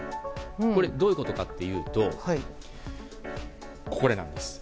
これ、どういうことかというとこれなんです。